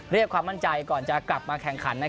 ความมั่นใจก่อนจะกลับมาแข่งขัน